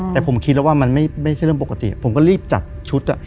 แต่ผมคิดแล้วว่ามันไม่ใช่เรื่องปกติผมก็รีบจัดชุด